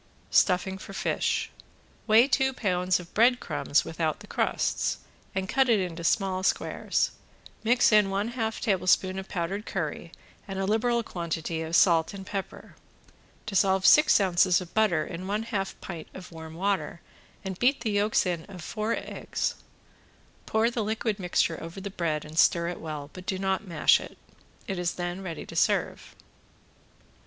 ~STUFFING FOR FISH~ Weigh two pounds of breadcrumbs without the crusts, and cut it into small squares, mix in one half tablespoon of powdered curry and a liberal quantity of salt and pepper. Dissolve six ounces of butter in one half pint of warm water and beat in the yolks of four eggs. Pour the liquid mixture over the bread and stir it well, but do not mash it. It is then ready to serve.